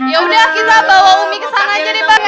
yaudah kita bawa umi ke sana aja deh pak